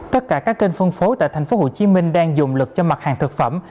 tất cả các kênh phân phối tại thành phố hồ chí minh đang dùng lực cho mặt hàng thực phẩm